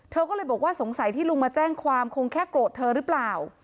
เธอก็เลยบอกว่าสงสัยที่ลุงมาแจ้งความคงแค่โกรธเธอหรือเปล่า